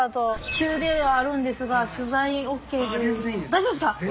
大丈夫ですか？